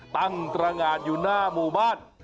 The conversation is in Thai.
ตั้งตรงานอยู่หน้าหมู่บ้าน